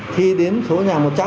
thì đến số nhà một trăm linh